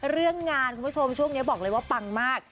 เรื่องงานคุณผู้ชมช่วงนี้บอกเลยว่าปังมาก